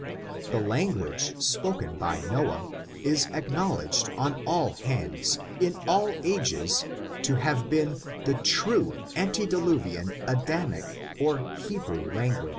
^ The language spoken by Noah, is acknowledged on all hands, in all ages, to have been the true Ante^ diluvian Adamic or Hebrew language.